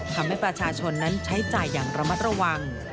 ทำให้ประชาชนนั้นใช้จ่ายอย่างระมัดระวัง